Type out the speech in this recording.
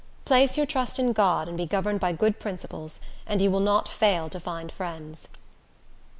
"Place your trust in God, and be governed by good principles, and you will not fail to find friends."